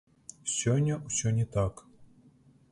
Сёння ўсё не так.